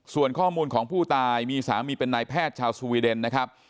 ส่วนข้อมูลของผู้ตายมีสามีเป็นนายแพทย์ชาวสวีเดนนะครับ